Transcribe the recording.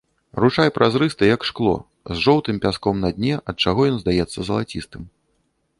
Ручай празрысты, як шкло, з жоўтым пяском на дне, ад чаго ён здаецца залацістым.